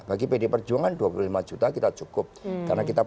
bagi pd perjuangan dua puluh lima juta kita cukup